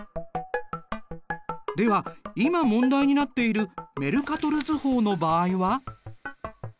では今問題になっているメルカトル図法の場合は？